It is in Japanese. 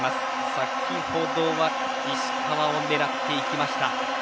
先ほどは石川を狙っていきました。